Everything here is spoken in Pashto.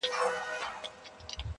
د خپل بابا پر مېنه چلوي د مرګ باړونه!.